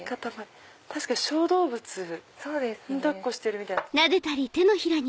確かに小動物抱っこしてるみたい。